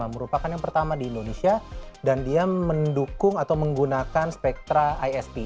merupakan yang pertama di indonesia dan dia mendukung atau menggunakan spektra isp